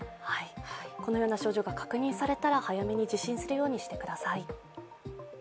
このような症状が確認されたら早めに受診するようにしてください。